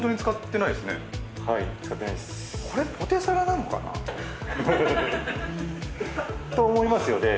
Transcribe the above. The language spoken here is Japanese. これ、ポテサラなのかな？と思いますよね。